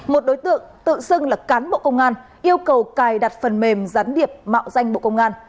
một đối tượng tự xưng là cán bộ công an yêu cầu cài đặt phần mềm gián điệp mạo danh bộ công an